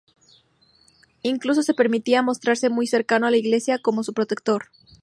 Incluso se permitía mostrarse muy cercano a la Iglesia, como su protector.